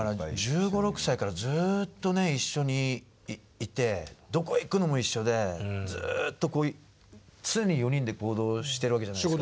１５１６歳からずっとね一緒にいてどこへ行くのも一緒でずっと常に４人で行動してるわけじゃないですか。